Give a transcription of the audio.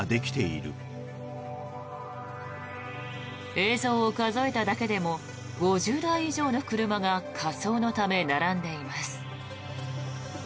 映像を数えただけでも５０台以上の車が火葬のため並んでいます。